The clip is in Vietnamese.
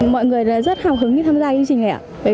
mọi người rất hào hứng khi tham gia chương trình này ạ